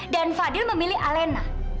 dan fadil memilih alina